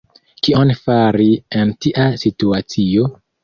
Kion fari en tia situacio?